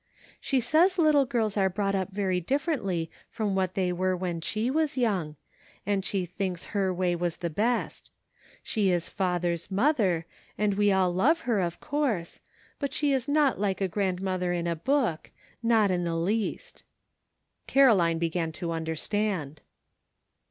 She says little girls are brought up very differently from what they were when she was young, and she thinks her way was the best. She is father's mother, and we all love her, of course ; but she is not like a grand mother in a book, not in the least." Caroline began to understand.